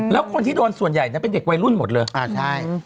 แล้วคนที่โดนส่วนใหญ่นะเป็นเด็กวัยรุ่นหมดเลยอ่าใช่